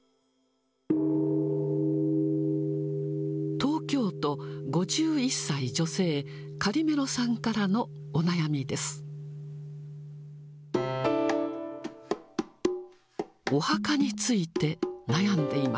東京都、５１歳女性、カリメロさんからのお悩みです。